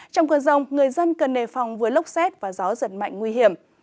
trong cơn rông người dân cần đề phòng với lốc xét và gió giật mạnh nguy hiểm